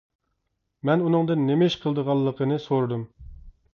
مەن ئۇنىڭدىن نېمە ئىش قىلىدىغانلىقىنى سورىدىم.